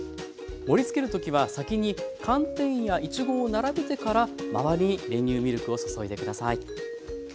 盛りつける時は先に寒天やいちごを並べてから周りに練乳ミルクを注いで下さい。